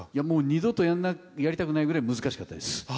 もう、二度とやりたくないぐらい難しかったです。